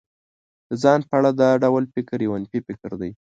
د ځان په اړه دا ډول فکر يو منفي فکر دی.